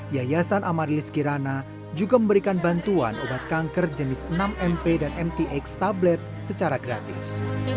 yayasan amarilis kirana juga memberikan bantuan obat kanker jenis enam mp dan mtx tablet secara gratis